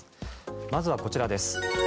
まずはこちらです。